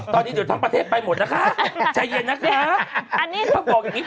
ตอนนี้เดี๋ยวทั้งประเทศไปหมดนะคะใจเย็นนะคะ